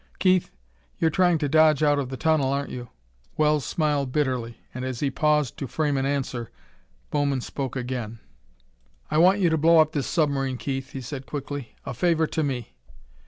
Keith you're trying to dodge out of the tunnel, aren't you?" Wells smiled bitterly, and as he paused to frame an answer Bowman spoke again. "I want you to blow up this submarine, Keith," he said quickly. "A favor to me."